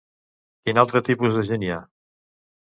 Quin altre tipus de gent hi ha?